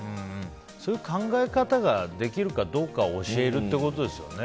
その考え方ができるかどうかを教えるってことですよね。